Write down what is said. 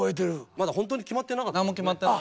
まだホントに決まってなかったよね。